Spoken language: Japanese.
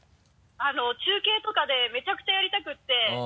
中継とかでめちゃくちゃやりたくって。